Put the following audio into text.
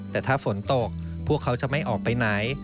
แต่ถ้าฝนตกพวกเขาจะไม่ออกไปไหน